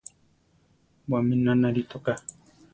Wamína narí toká.